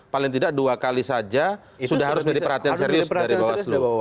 paling tidak dua kali saja sudah harus menjadi perhatian serius dari bawaslu